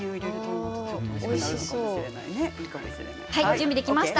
準備できました。